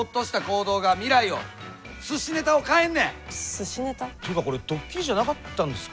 すしネタ？っていうかこれドッキリじゃなかったんですか？